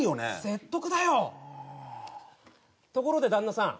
説得だよあところで旦那さん